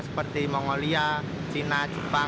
seperti mongolia cina jepang